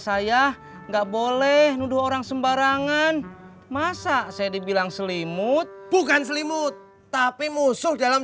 saya enggak boleh nuduh orang sembarangan masa saya dibilang selimut bukan selimut tapi musuh dalam